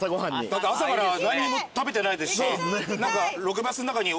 だって朝から何にも食べてないですし。